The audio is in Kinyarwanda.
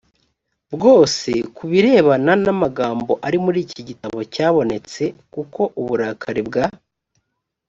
bwose ku birebana n amagambo ari muri iki gitabo cyabonetse kuko uburakari bwa